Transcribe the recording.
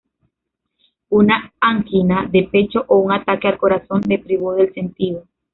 Una angina de pecho o un ataque al corazón le privó del sentido.